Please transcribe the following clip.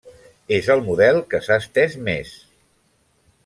És el model que s'ha estès més.